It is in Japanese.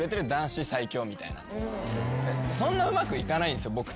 そんなうまくいかないんすよ僕たちも。